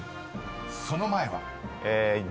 ［その前は？］